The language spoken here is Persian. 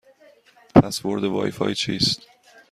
پسورد وای فای چیست؟